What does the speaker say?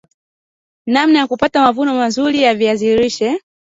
namna ya kupata mavuno mazuri ya viazi lishe